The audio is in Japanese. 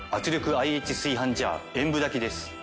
ＩＨ炊飯ジャー炎舞炊きです。